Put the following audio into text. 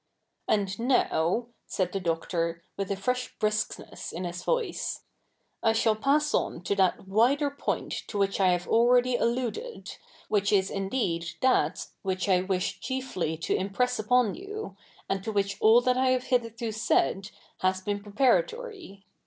^ And ?iow,^ said the Doctor, with a fresh briskness in his voice, '/ shall pass on to that wider poi?tt to which I have already alluded, which is indeed that which I wish chiefly to impress upo?t you, a?id to which all that I have hitherto said has been preparatory.